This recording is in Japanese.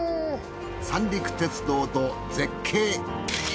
三陸鉄道と絶景。